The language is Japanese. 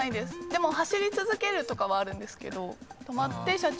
でも走り続けるとかあるんですけど止まって車中泊はないので。